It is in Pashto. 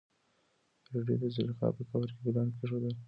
رېدي د زلیخا په قبر کې ګلان کېښودل.